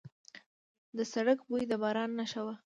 د سړک بوی د باران نښه وه.